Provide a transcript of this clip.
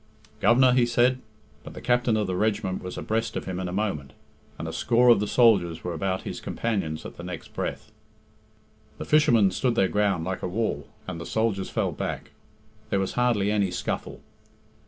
"Governor," he said; but the captain of the regiment was abreast of him in a moment, and a score of the soldiers were about his companions at the next breath. The fishermen stood their ground like a wall, and the soldiers fell back. There was hardly any scuffle.